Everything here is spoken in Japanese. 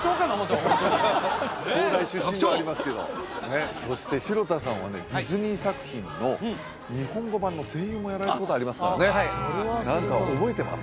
東大出身ではありますけどそして城田さんはねディズニー作品の日本語版の声優もやられたことありますからね何か覚えてます？